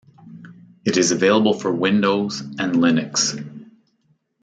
It is available for Windows, and Linux.